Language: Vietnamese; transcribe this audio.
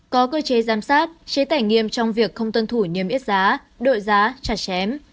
có cơ chế giám sát chế tải nghiêm trong việc không tân thủ niêm yết giá đội giá trà chém